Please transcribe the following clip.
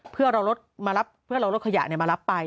เพื่อราวรถเขยะมารับไป